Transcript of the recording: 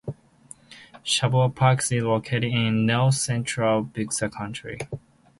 Shavano Park is located in north-central Bexar County.